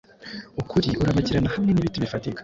Ukuri urabagirana hamwe n'ibiti bifatika,